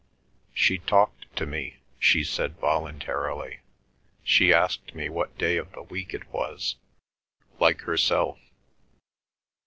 "She talked to me," she said voluntarily. "She asked me what day of the week it was, like herself."